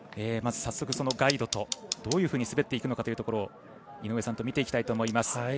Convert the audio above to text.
早速ガイドとどういうふうに滑っていくのかというところ井上さんと見ていきたいと思います。